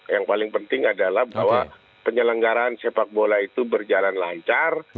yang paling penting adalah bahwa penyelenggaraan sepak bola itu berjalan lancar